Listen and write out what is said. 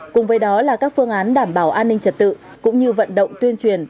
cùng với đó là các phương án đảm bảo an ninh trật tự cũng như vận động tuyên truyền